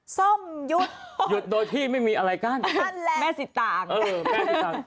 ส้มยุทธ์ยุทธ์โดยที่ไม่มีอะไรกั้นนั่นแล้วแม่สิตางเออแม่สิตาง